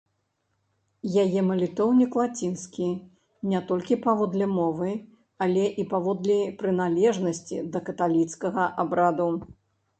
Яе малітоўнік лацінскі не толькі паводле мовы, але і паводле прыналежнасці да каталіцкага абраду.